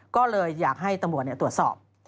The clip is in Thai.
ก็เลยอยากให้ตำรวจตรวจสอบ